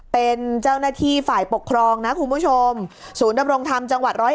เป็นเจ้าหน้าที่ฝ่ายปกครองนะคุณผู้ชมศูนย์ดำรงธรรมจังหวัด๑๐๑